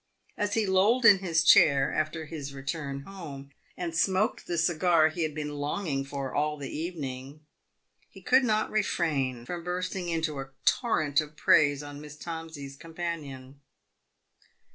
As he lolled in his chair after his return home, and smoked the cigar he had been longing for all the evening, he could not refrain from bursting into a torrent of praise on Miss Tomsey's companion.